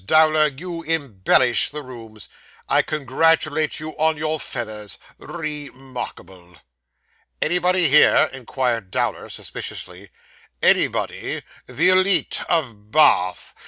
Dowler, you embellish the rooms. I congratulate you on your feathers. Re markable!' 'Anybody here?' inquired Dowler suspiciously. 'Anybody! The _elite _of Ba ath. Mr.